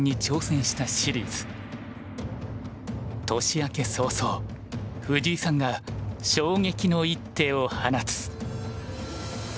年明け早々藤井さんが衝撃の一手を放つ。